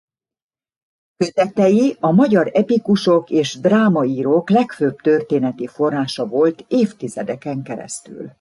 Kötetei a magyar epikusok és drámaírók legfőbb történeti forrása volt évtizedeken keresztül.